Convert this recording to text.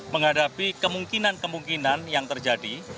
menghadapi kemungkinan kemungkinan yang terjadi